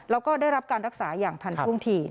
แล้วก็ได้รับการรักษาอย่างทันท่วงที